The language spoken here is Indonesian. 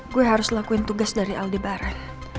gue harus lakuin tugas dari aldebaran